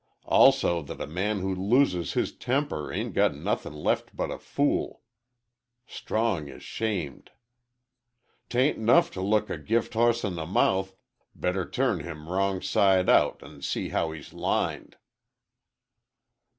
"also that 'a man who loses his temper aint got nothin left but a fool.' Strong is shamed. "'Taint nuff to look a gift hoss in the mouth better turn him rong side out and see how hes lined."